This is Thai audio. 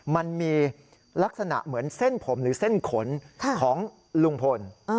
มันมีลักษณะเหมือนเส้นผมหรือเส้นขนของลุงพล